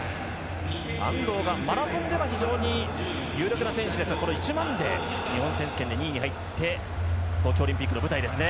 安藤がマラソンでは非常に有力な選手ですがこの１００００で日本選手権で２位に入って東京オリンピックの舞台ですね。